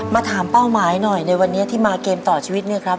ถามเป้าหมายหน่อยในวันนี้ที่มาเกมต่อชีวิตเนี่ยครับ